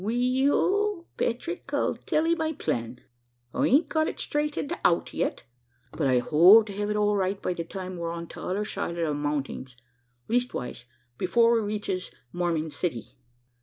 "We ell, Petrick, I'll tell ee my plan. I ain't got it straightened out yet, but I hope to hev it all right by the time we're on t'other side the mountings leastwise before we reaches Morming City."